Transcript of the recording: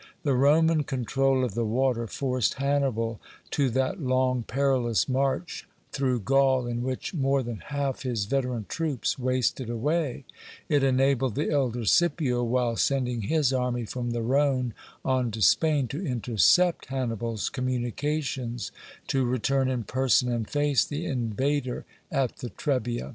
The Roman control of the water forced Hannibal to that long, perilous march through Gaul in which more than half his veteran troops wasted away; it enabled the elder Scipio, while sending his army from the Rhone on to Spain, to intercept Hannibal's communications, to return in person and face the invader at the Trebia.